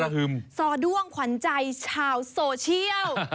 แสดงแสดงร่วมภาพในโลกโซเชียล